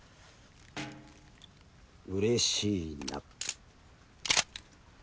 うれしいな。